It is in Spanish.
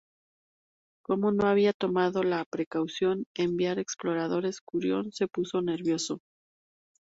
Como no había tomado la precaución de enviar exploradores Curión se puso nervioso.